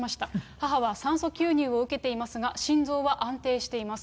母は酸素吸入を受けていますが、心臓は安定しています。